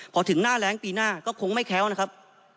พอถึงหน้าแรงปีหน้าก็คงไม่แค้วนะครับ